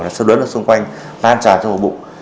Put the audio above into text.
nó sâu đớn ở xung quanh lan tràn trong bụng